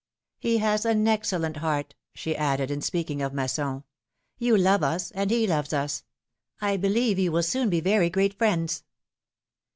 '^He has an excellent heart,^^ she added, in speaking of Masson ; you love us, and he loves us ; I believe you will soon be very great friends.